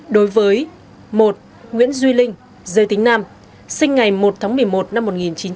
đối với một nguyễn duy linh giới tính nam sinh ngày một tháng một mươi một năm một nghìn chín trăm bảy mươi